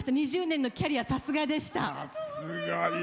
２０年のキャリアさすがでした！